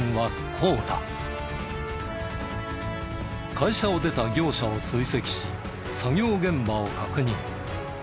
会社を出た業者を追跡し作業現場を確認。